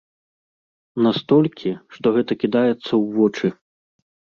Настолькі, што гэта кідаецца ў вочы.